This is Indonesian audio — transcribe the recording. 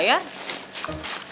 eh udah tuh